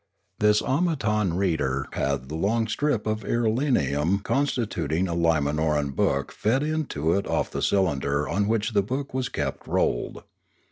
This automaton reader had the long strip of irelium constituting a Limanoran book fed into it off the cylinder on which the book was kept rolled.